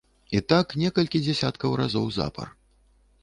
І так некалькі дзясяткаў разоў запар.